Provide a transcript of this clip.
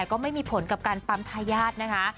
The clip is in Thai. ก็ไม่มีผลกับการปั๊มทายาทนะคะ